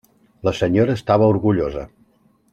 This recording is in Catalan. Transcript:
La senyora estava orgullosa.